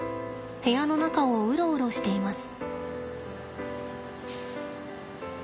部屋の中をウロウロしています。